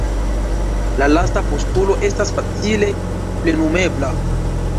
La lasta postulo estas facile plenumebla.